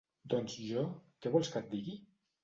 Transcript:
Doncs jo... què vols que et digui?